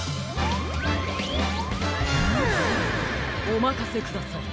おまかせください